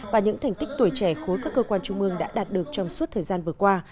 và những thành tích tuổi trẻ khối các cơ quan trung ương đã đạt được trong suốt thời gian vừa qua